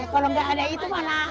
kalau gak ada itu mana enak